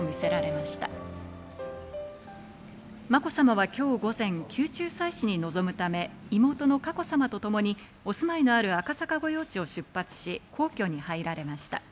まこさまはきょう午前、宮中祭祀に臨むため、妹の佳子さまとともにお住まいのある赤坂御用地を出発し、皇居に入られました。